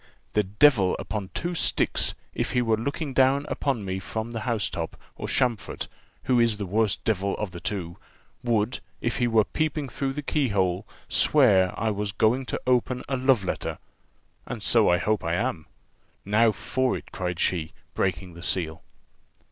"The devil upon two sticks, if he were looking down upon me from the house top, or Champfort, who is the worse devil of the two, would, if he were peeping through the keyhole, swear I was going to open a love letter and so I hope I am. Now for it!" cried she, breaking the seal.